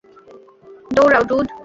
দৌড়াও, ড্যুড।